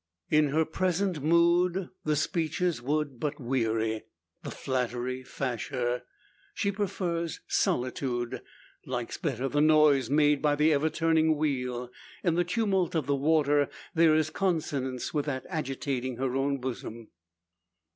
In her present mood the speeches would but weary, the flattery fash her. She prefers solitude; likes better the noise made by the ever turning wheel. In the tumult of the water there is consonance with that agitating her own bosom.